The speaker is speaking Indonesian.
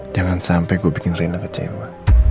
jangan sampai gue bikin renda kecewa